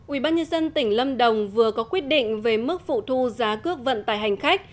ubnd tỉnh lâm đồng vừa có quyết định về mức phụ thu giá cước vận tải hành khách